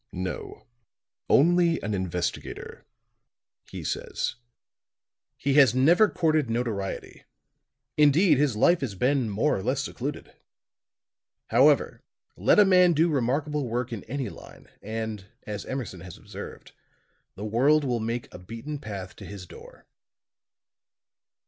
"No; only an investigator," he says. He has never courted notoriety; indeed, his life has been more or less secluded. However, let a man do remarkable work in any line and, as Emerson has observed, "the world will make a beaten path to his door."